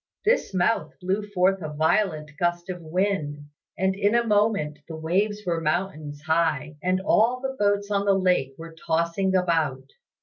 This mouth blew forth a violent gust of wind, and in a moment the waves were mountains high and all the boats on the lake were tossing about.